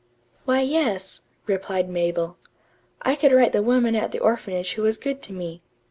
"Why, yes," replied Mabel. "I could write the woman at the orphanage who was good to me.